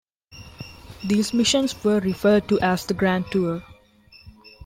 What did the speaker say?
These missions were referred to as the Grand Tour.